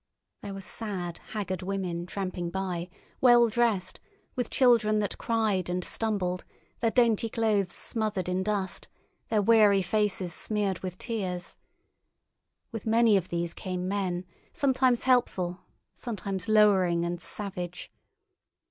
There were sad, haggard women tramping by, well dressed, with children that cried and stumbled, their dainty clothes smothered in dust, their weary faces smeared with tears. With many of these came men, sometimes helpful, sometimes lowering and savage.